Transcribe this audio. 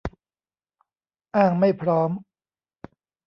อ้างไม่พร้อม